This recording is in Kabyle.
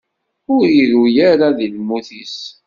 Ur iru ara deg lmut-is.